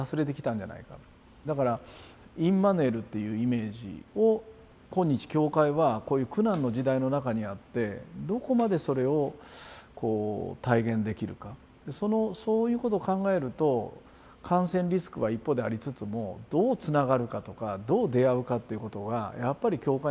だからインマヌエルっていうイメージを今日教会はこういう苦難の時代の中にあってどこまでそれをこう体現できるかそういうことを考えると感染リスクは一方でありつつもどうつながるかとかどう出会うかっていうことがやっぱり教会にとって非常に大事。